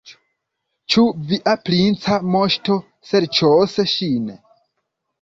Ĉu via princa moŝto serĉos ŝin?